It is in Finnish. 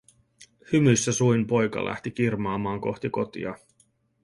Hymyssä suin poika lähti kirmaamaan kohti kotia.